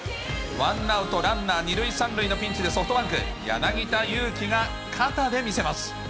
ワンアウトランナー２塁３塁のピンチでソフトバンク、柳田悠岐が肩で見せます。